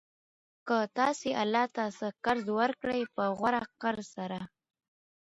كه تاسي الله ته څه قرض ورکړئ په غوره قرض سره